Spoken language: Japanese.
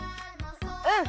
うん！